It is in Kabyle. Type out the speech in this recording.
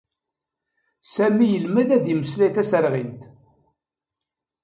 Sami yelmed ad immeslay taserɣint.